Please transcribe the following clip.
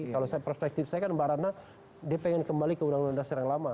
kalau saya perspektif saya kan mbak ratna dia pengen kembali ke undang undang dasar yang lama